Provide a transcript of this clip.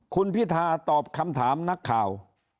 คุณพิธาตอบคำถามนักข่าว